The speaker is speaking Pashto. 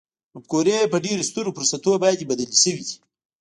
مفکورې په ډېرو سترو فرصتونو باندې بدلې شوې دي